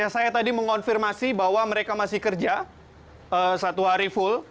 saya tadi mengonfirmasi bahwa mereka masih kerja satu hari full